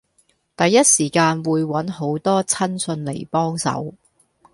第一時間會搵好多親信嚟幫手